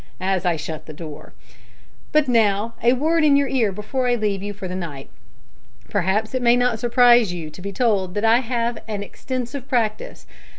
as I shut the door. "But now, a word in your ear before I leave you for the night. Perhaps it may not surprise you to be told that I have an extensive practice.